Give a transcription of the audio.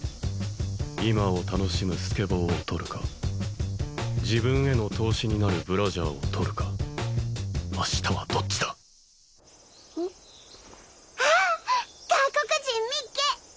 今を楽しむスケボーを取るか自分への投資になるブラジャーを取るか明日はどっちだあっ外国人みっけ！